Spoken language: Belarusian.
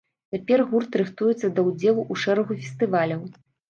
Цяпер гурт рыхтуецца да ўдзелу ў шэрагу фестываляў.